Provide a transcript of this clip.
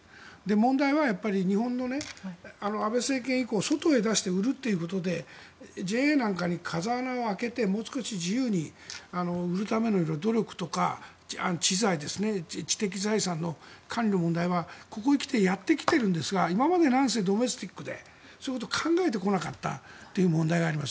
問題は日本の安倍政権以降外へ売るということでＪＡなんかに風穴を開けてもう少し自由に売るための努力とか知的財産の管理の問題はここへ来てやってきているんですが今までドメスティックでそういうことを考えてこなかったという問題があります。